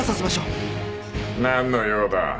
何の用だ？